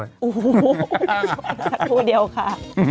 โอ้โฮพูดเดียวค่ะ